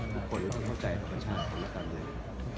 คนต้องเข้าใจธรรมชาติของและการเมือง